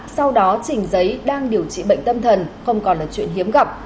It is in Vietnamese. sau đó trình giấy đang điều trị bệnh tâm thần không còn là chuyện hiếm gặp